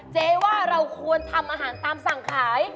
เจ๊ว่าเราควรทำอาหารตามสั่งขาย